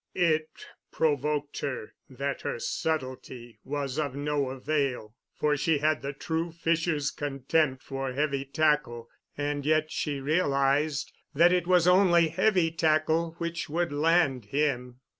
It provoked her that her subtlety was of no avail, for she had the true fisher's contempt for heavy tackle. And yet she realized that it was only heavy tackle which would land him.